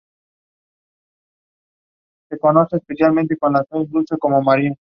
Johannes Huygens fue alumno suyo.